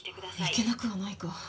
行けなくはないか。